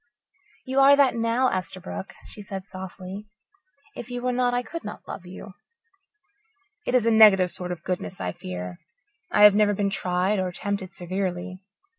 "You are that now, Esterbrook," she said softly. "If you were not, I could not love you." "It is a negative sort of goodness, I fear. I have never been tried or tempted severely.